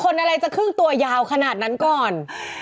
อะไรจะครึ่งตัวยาวขนาดนั้นก่อน